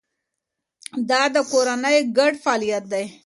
دا د کورنۍ ګډ فعالیت دی.